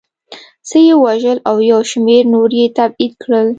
څه یې ووژل او یو شمېر نور یې تبعید کړل